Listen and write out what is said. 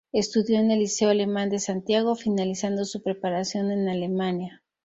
Estudió en el Liceo Alemán de Santiago, finalizando su preparación en Alemania.